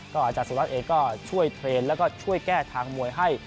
อาจารย์สุวัสดิ์เองก็ช่วยเทรนด์แล้วก็ช่วยแก้ทางมวยให้